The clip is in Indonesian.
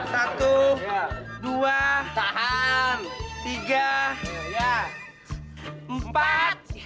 satu dua tiga empat